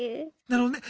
なるほどね。